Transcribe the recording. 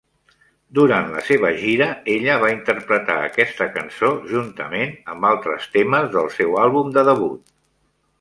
Durant la seva gira, ella va interpretar aquesta cançó juntament amb altres temes del seu àlbum de debut.